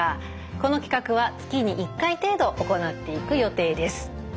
この企画は月に１回程度行っていく予定です。